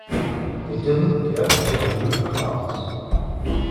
They didn't get to the root cause.